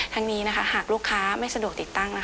ทั้งนี้หากลูกค้าไม่สะดวกติดตั้ง